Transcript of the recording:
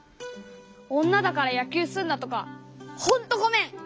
おんなだからやきゅうすんなとかほんとごめん！